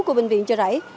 của bệnh viện chợ rẫy